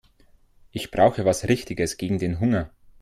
Ich brauche was Richtiges gegen den Hunger.